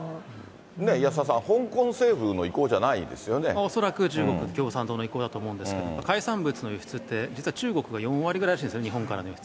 安田さん、恐らく中国共産党の意向だと思うんですけど、海産物の輸出って、実は中国が４割ぐらいなんですよね、日本からの輸出。